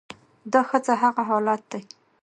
دا ښځه هغه حالت دى